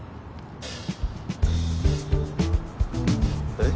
えっ？